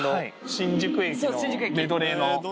新宿駅のメドレーの。